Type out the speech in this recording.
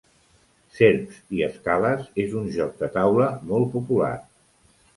Serps i escales és un joc de taula molt popular